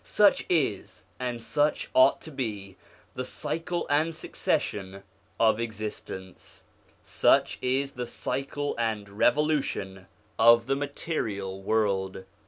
Such is, and such ought to be, the cycle and succession of existence: such is the cycle and revolution of the material world.